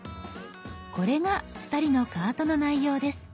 これが２人のカートの内容です。